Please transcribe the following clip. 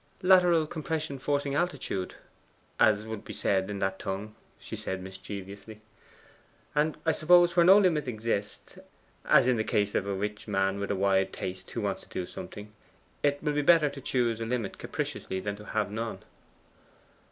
'Lateral compression forcing altitude, as would be said in that tongue,' she said mischievously. 'And I suppose where no limit exists, as in the case of a rich man with a wide taste who wants to do something, it will be better to choose a limit capriciously than to have none.